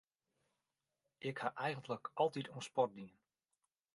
Ik ha eigentlik altyd oan sport dien.